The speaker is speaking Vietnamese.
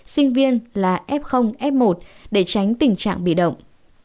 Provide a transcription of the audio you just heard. sinh viên là f f một để tránh tình trạng bị động